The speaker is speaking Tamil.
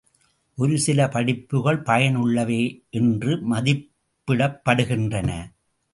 ஒரு சில படிப்புகள் பயன் உள்ளவை என்று மதிப்பிடப்படுகின்றன.